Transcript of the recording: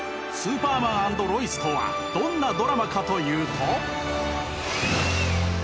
「スーパーマン＆ロイス」とはどんなドラマかというと。